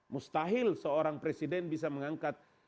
mustahil seorang presiden bisa mengangkat